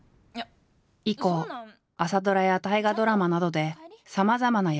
以降朝ドラや大河ドラマなどでさまざまな役を経験。